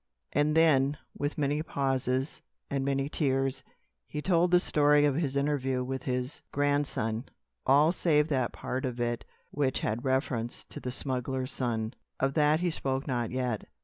And then, with many pauses, and many tears, he told the story of his interview with his grandson all save that part of it which had reference to the smuggler's son. Of that he spoke not yet.